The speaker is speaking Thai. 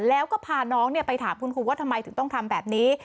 แล้วก็พาน้องไปถามคุณครูว่าทำไมถึงต้องทำแบบนี้